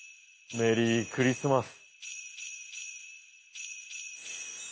メリークリスマス。